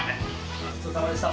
ごちそうさまでした。